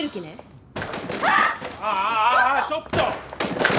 ああああちょっと！